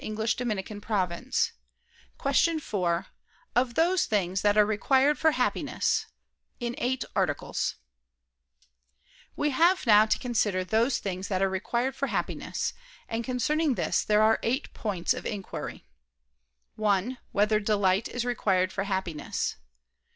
________________________ QUESTION 4 OF THOSE THINGS THAT ARE REQUIRED FOR HAPPINESS (In Eight Articles) We have now to consider those things that are required for happiness: and concerning this there are eight points of inquiry: (1) Whether delight is required for happiness?